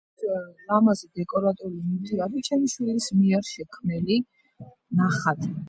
ლამაზი დეკორატიული ნივთი არის ცემი შვილის მიერ შექმნილი ნახატი.